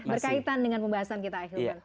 berkaitan dengan pembahasan kita ahilman